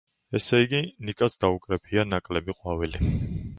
ესე იგი, ნიკას დაუკრეფია ნაკლები ყვავილი.